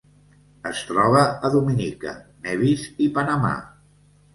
Es troba a Dominica, Nevis i Panamà.